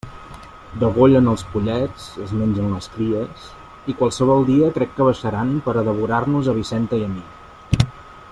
Degollen els pollets, es mengen les cries, i qualsevol dia crec que baixaran per a devorar-nos a Vicenta i a mi!